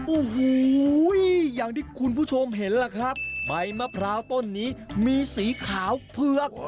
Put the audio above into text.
โอ้โหอย่างที่คุณผู้ชมเห็นล่ะครับใบมะพร้าวต้นนี้มีสีขาวเผือก